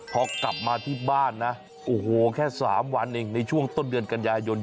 พอกลับมาที่บ้านนะโอ้โหแค่๓วันเองในช่วงต้นเดือนกันยายน